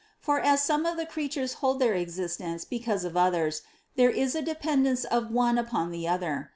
For as some of the creatures hold their existence because of others, there is a depen dence of one upon the other.